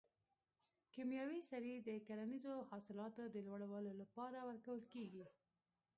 کیمیاوي سرې د کرنیزو حاصلاتو د لوړولو لپاره ورکول کیږي.